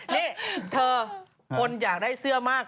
นี่เธอคนอยากได้เสื้อมาก